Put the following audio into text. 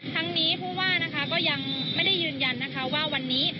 ทั้งนี้ผู้ว่านะคะก็ยังไม่ได้ยืนยันนะคะว่าวันนี้